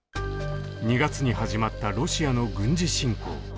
２月に始まったロシアの軍事侵攻。